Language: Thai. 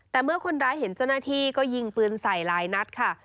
แต่เมื่อคนร้ายเห็นเจ้าหน้าที่ก็ยิงปืนใส่หลายนัดค่ะ